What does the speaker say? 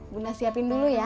bunda siapin dulu ya